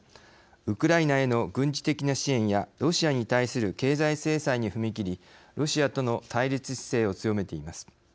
ウクライナへの軍事的な支援やロシアに対する経済制裁に踏み切りロシアとの対立姿勢を強めています。